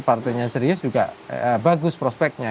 partainya serius juga bagus prospeknya